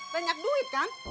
banyak duit kan